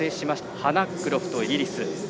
ハナ・コックロフト、イギリス。